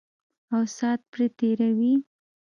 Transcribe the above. او سات پرې تېروي.